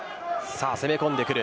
攻め込んでくる。